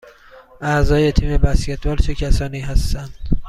اعضای تیم بسکتبال چه کسانی هستند؟